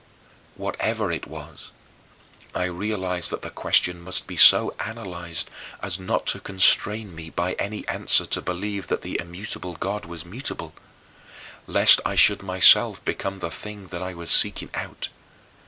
Whatever it was, I realized that the question must be so analyzed as not to constrain me by any answer to believe that the immutable God was mutable, lest I should myself become the thing that I was seeking out.